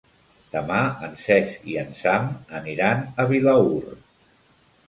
Demà en Cesc i en Sam aniran a Vilaür.